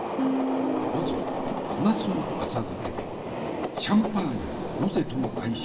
まずは小ナスの浅漬けでシャンパーニュロゼとの相性を見る。